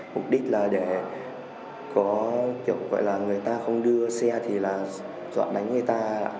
mục đích là để người ta không đưa xe thì là dọn đánh người ta